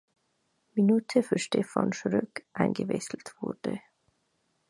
Minute für Stephan Schröck eingewechselt wurde.